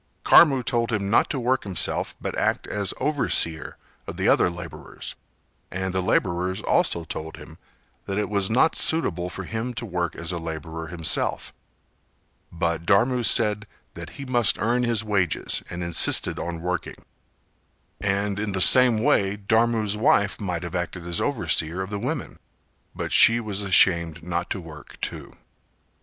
Karmu told him not to work himself but act as overseer of the other labourers, and the labourers also told him that it was not suitable for him to work as a labourer himself, but Dharmu said that he must earn his wages and insisted on working; and in the same way Dharmu's wife might have acted as overseer of the women, but she was ashamed not to work too.